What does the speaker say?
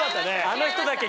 あの人だけ。